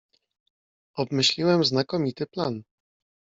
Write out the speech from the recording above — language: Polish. "„Obmyśliłem znakomity plan."